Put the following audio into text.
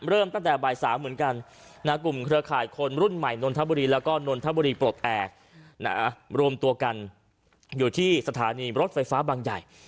เริ่มตั้งแต่บ่าย๓เหมือนกันกลุ่มเครือข่ายคนรุ่นใหม่นนทบุรีแล้วก็นนทบุรีปลดแอบรวมตัวกันอยู่ที่สถานีรถไฟฟ้าบางใหญ่